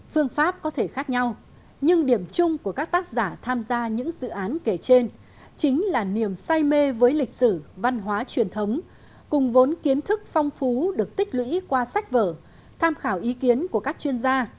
phương pháp có thể khác nhau nhưng điểm chung của các tác giả tham gia những dự án kể trên chính là niềm say mê với lịch sử văn hóa truyền thống cùng vốn kiến thức phong phú được tích lũy qua sách vở tham khảo ý kiến của các chuyên gia